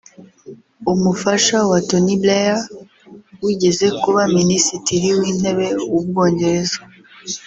umufasha wa Tony Blair wigeze kuba Minisitiri w’Intebe w’ u Bwongereza